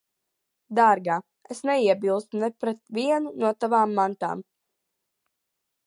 Dārgā, es neiebilstu ne pret vienu no tavām mantām.